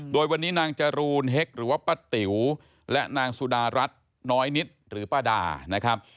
โดยวันนี้นางจรูนเฮ็กหรือว่าป้าติ๋วและนางสุดารัฐน้อยนิดหรือป้าดานะครับ